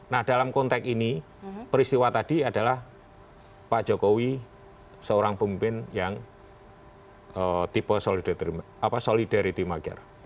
nah dalam konteks ini peristiwa tadi adalah pak jokowi seorang pemimpin yang tipe solidarity mager